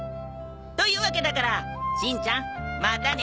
というわけだからしんちゃんまたね。